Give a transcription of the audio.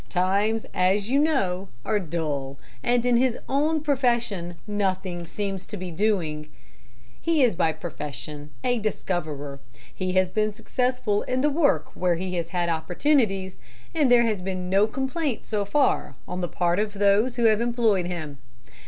Times, as you know, are dull, and in his own profession nothing seems to be doing. "He is by profession a discoverer. He has been successful in the work where he has had opportunities, and there has been no complaint so far on the part of those who have employed him.